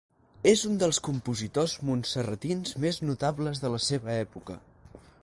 És un dels compositors montserratins més notables de la seva època.